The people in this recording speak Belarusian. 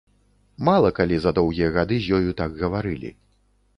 Мала калі за доўгія гады з ёю так гаварылі.